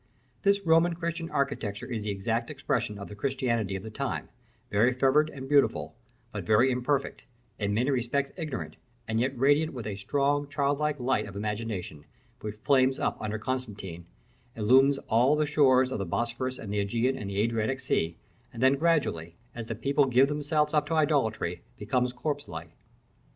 This Roman Christian architecture is the exact expression of the Christianity of the time, very fervid and beautiful but very imperfect; in many respects ignorant, and yet radiant with a strong, childlike light of imagination, which flames up under Constantine, illumines all the shores of the Bosphorus and the Ægean and the Adriatic Sea, and then gradually, as the people give themselves up to idolatry, becomes Corpse light.